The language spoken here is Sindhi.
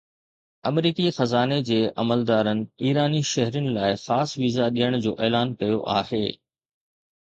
آمريڪي خزاني جي عملدارن ايراني شهرين لاءِ خاص ويزا ڏيڻ جو اعلان ڪيو آهي